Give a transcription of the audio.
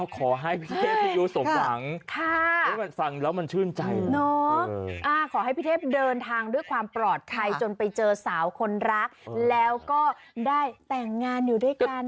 ขอให้พี่เทพเดินทางด้วยความปลอดภัยจนไปเจอสาวคนรักแล้วก็ได้แต่งงานอยู่ด้วยกัน